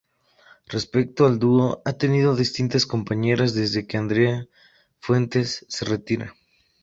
Respecto al dúo, ha tenido distintas compañeras desde que Andrea Fuentes se retirara.